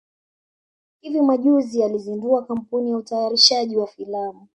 hivi majuzi alizindua kampuni ya utayarishaji wa filamu